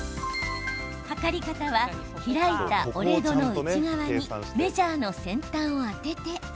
測り方は開いた折れ戸の内側にメジャーの先端を当てて。